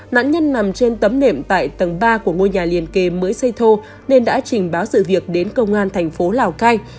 nạn nhân nằm trên tấm nệm tại tầng ba của ngôi nhà liền kề mới xây thô nên đã trình báo sự việc đến công an thành phố lào cai